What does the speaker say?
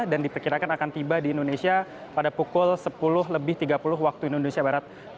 dan diperkirakan akan tiba di indonesia pada pukul sepuluh lebih tiga puluh waktu indonesia barat